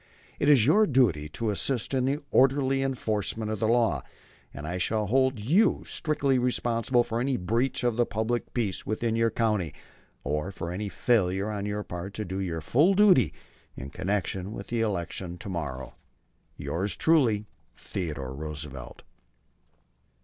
It is your duty to assist in the orderly enforcement of the law, and I shall hold you strictly responsible for any breach of the public peace within your county, or for any failure on your part to do your full duty in connection with the election to morrow. Yours truly, THEODORE ROOSEVELT.